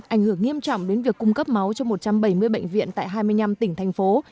ảnh hưởng nghiêm trọng đến việc cung cấp máu cho một trăm bảy mươi bệnh viện tại hai mươi năm tỉnh thành phố